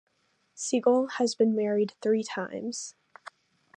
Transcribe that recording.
Segal has been married three times.